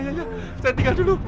saya tinggal dulu